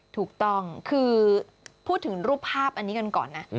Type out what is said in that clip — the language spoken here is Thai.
ถูกต้องคือพูดถึงรูปภาพอันนี้กันก่อนนะ